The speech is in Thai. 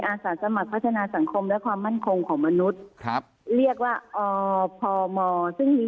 อาสาสมัครพัฒนาสังคมและความมั่นคงของมนุษย์ครับเรียกว่าอพมซึ่งมี